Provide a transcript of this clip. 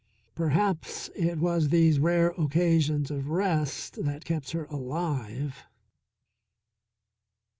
Perhaps it was these rare occasions of rest that kept her alive.